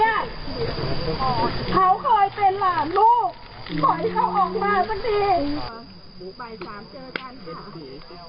เผาคอยเป็นหลานลูกปล่อยเขาออกบ้านซักที